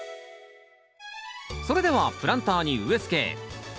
それではプランターに植え付け。